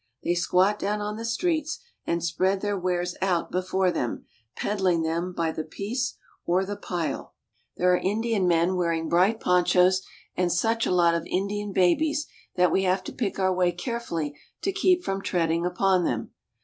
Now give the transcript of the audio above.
They squat down on the streets and spread their wares out before them, peddling them by the piece or the pile. 90 BOLIVIA. There are Indian men wearing bright ponchos, and such a lot of Indian babies that we have to pick our way care fully to keep from treading upon them.